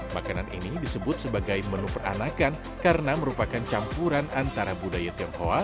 makanan ini disebut sebagai menu peranakan karena merupakan campuran antara budaya timkoa